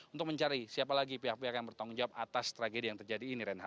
untuk mencari siapa lagi pihak pihak yang bertanggung jawab atas tragedi yang terjadi ini reinhard